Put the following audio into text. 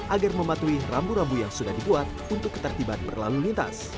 agar mematuhi rambu rambu yang sudah dibuat untuk ketertiban berlalu lintas